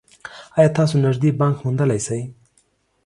ایا تاسو نږدې بانک موندلی شئ؟